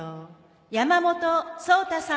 山本草太さん。